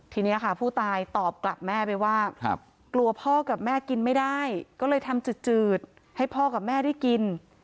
ทีนี้ค่ะผู้ตายตอบกลับแม่ไปว่ากลัวพ่อกับแม่กินไม่ได้ก็เลยทำจืดให้พ่อกับแม่ได้กิน